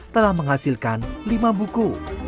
telah menghasilkan lima buku